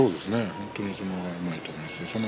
本当に相撲がうまいと思います。